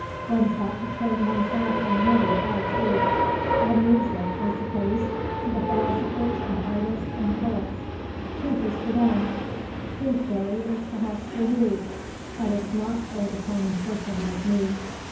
One's got to turn one's back on nearly all truth. One leaves it, I suppose, to the philosophers and artists and poets. Truth is for them. Truth, Billy, is perhaps for you. But it's not for the common person like me.